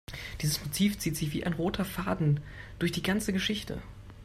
Dieses Motiv zieht sich wie ein roter Faden durch die ganze Geschichte.